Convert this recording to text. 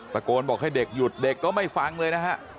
ตะโกนบอกให้เด็กหยุดเด็กก็ไม่ฟังเลยนะฮะ